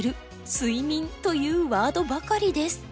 「睡眠」というワードばかりです。